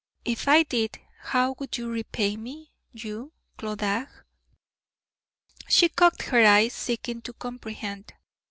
If I did, how would you repay me, you Clodagh?" She cocked her eyes, seeking to comprehend.